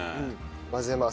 混ぜます。